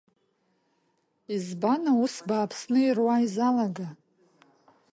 Избан аус бааԥсны ируа изалага?